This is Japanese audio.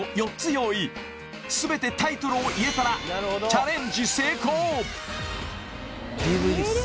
用意全てタイトルを言えたらチャレンジ